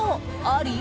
あり？